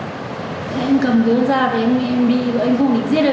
em đi với anh phụ định giết em nhưng mà cái my nó